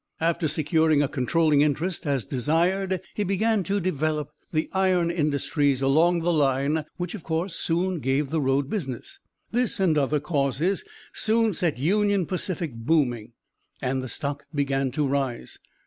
After securing a controlling interest as desired, he began to develop the iron industries along the line, which of course soon gave the road business. This and other causes soon set Union Pacific "booming," and the stock began to rise.